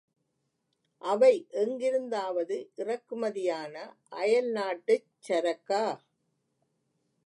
அவை எங்கிருந்தாவது இறக்குமதியான அயல்நாட்டுச் சரக்கா?